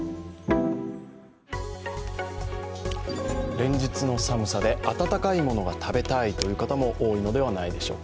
連日の寒さで温かいものが食べたいという方も多いのではないでしょうか。